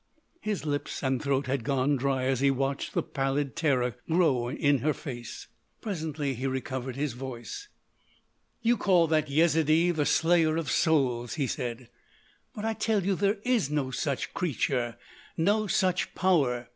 His lips and throat had gone dry as he watched the pallid terror grow in her face. Presently he recovered his voice: "You call that Yezidee the Slayer of Souls," he said, "but I tell you there is no such creature, no such power!